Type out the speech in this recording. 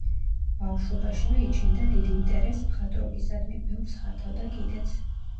ბავშვობაშივე იჩენდა დიდ ინტერესს მხატვრობისადმი, ბევრს ხატავდა კიდეც.